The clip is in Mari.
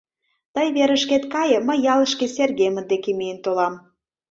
Тый верышкет кае, мый ялышке Сергемыт деке миен толам.